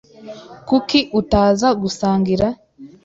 Kuki utaza gusangira?